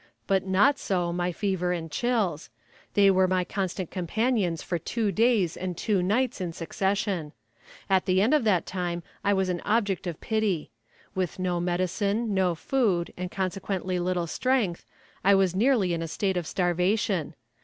But not so my fever and chills; they were my constant companions for two days and two nights in succession. At the end of that time I was an object of pity. With no medicine, no food, and consequently little strength; I was nearly in a state of starvation.